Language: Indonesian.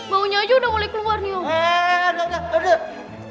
baunya aja udah boleh keluar nih om